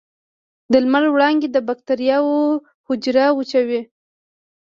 د لمر وړانګې د بکټریاوو حجره وچوي.